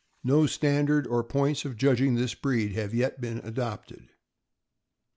No standard or points of judging this breed have yet been adopted.